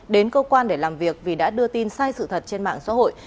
đến cơ quan để làm việc vì đã đưa tin sai sự thật trên mạng xã hội